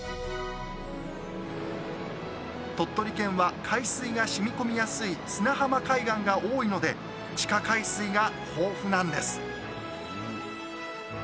鳥取県は海水がしみこみやすい砂浜海岸が多いので地下海水が豊富なんです